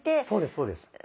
そうですそうです。